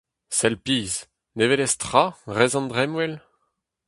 Sell pizh : ne welez tra, 'rez an dremmwel ?